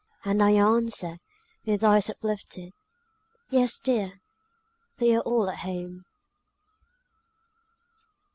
And I answer, with eyes uplifted, "Yes, dear! they are all at home."